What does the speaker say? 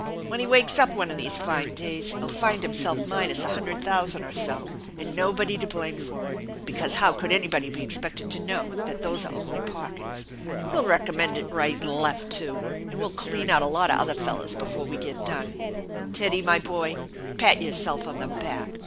When he wakes up one of these fine days he'll find himself minus a hundred thousand or so, and nobody to blame for it, because how could anybody be expected to know that those are only pockets? He'll recommend it right and left too, and we'll clean out a lot of other fellers before we get done. Teddy, my boy, pat yourself on the back